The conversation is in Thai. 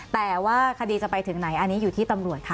แต่ว่าคดีจะไปถึงไหนอันนี้อยู่ที่ตำรวจค่ะ